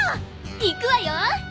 いくわよ！